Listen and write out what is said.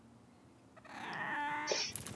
右图显示了一个典型环形山的侧面视图。